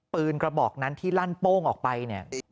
กระบอกนั้นที่ลั่นโป้งออกไปเนี่ย